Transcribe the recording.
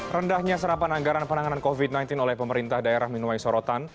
rendahnya serapan anggaran penanganan covid sembilan belas oleh pemerintah daerah menuai sorotan